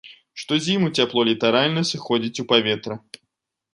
Штозіму цяпло літаральна сыходзіць у паветра.